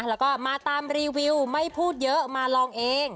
แล้วก็มาตามรีวิวไม่พูดเยอะมาลองเอง